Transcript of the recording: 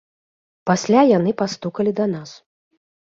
Пасля яны пастукалі да нас.